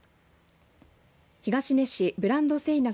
東根市ブランド戦略